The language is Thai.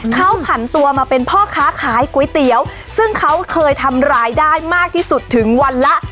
เขาผันตัวมาเป็นพ่อค้าขายก๋วยเตี๋ยวซึ่งเขาเคยทำรายได้มากที่สุดถึงวันละ